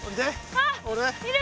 あっ。